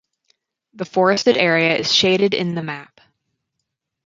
The forested area is shaded in the map.